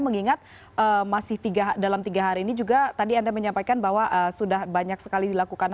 mengingat masih dalam tiga hari ini juga tadi anda menyampaikan bahwa sudah banyak sekali dilakukan